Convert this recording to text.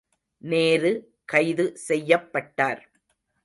நேரு கைது செய்யப்பட்டார்.